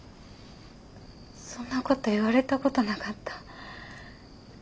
そんなこと言われたことなかった。